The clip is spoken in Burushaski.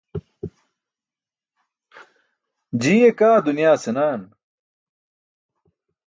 Jiiye kaa dunyaa senaan.